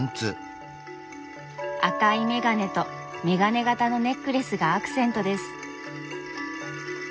赤いメガネとメガネ形のネックレスがアクセントです。